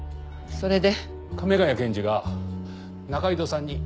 それで？